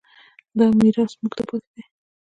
دا میراث موږ ته پاتې دی.